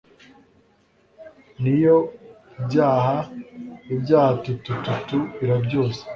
niyo byaba ibyaha tuku tuku irabyoza